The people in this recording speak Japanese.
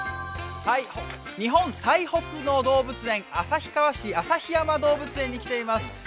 日本最北の動物園、旭川市、旭山動物園に来ています。